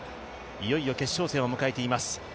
いよいよ決勝戦を迎えています。